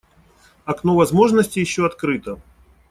Окно возможности еще открыто.